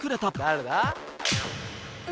「誰だ？」